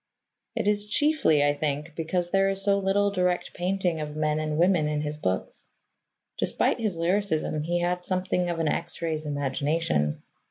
It is chiefly, I think, because there is so little direct painting of men and women in his books. Despite his lyricism, he had something of an X ray's imagination.